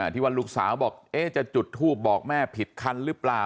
ที่ว่าลูกสาวบอกจะจุดทูปบอกแม่ผิดคันหรือเปล่า